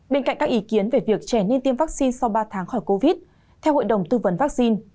bên cạnh các ý kiến về việc trẻ nên tiêm vaccine sau ba tháng khỏi covid theo hội đồng tư vấn vaccine